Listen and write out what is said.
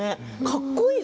かっこいい。